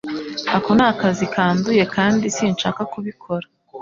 Ako ni akazi kanduye kandi sinshaka kubikora